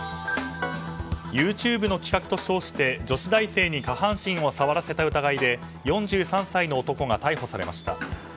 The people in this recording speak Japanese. ＹｏｕＴｕｂｅの企画と称して女子大生に下半身を触らせた疑いで４３歳の男が逮捕されました。